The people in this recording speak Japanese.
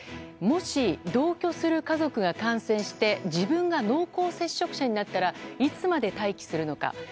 もし同居する家族が感染して自分が濃厚接触者になったらいつまで待機するのか。